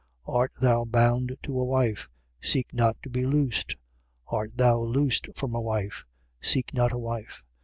7:27. Art thou bound to a wife? Seek not to be loosed. Art thou loosed from a wife? Seek not a wife.